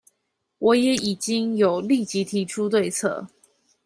我也已經有立即提出對策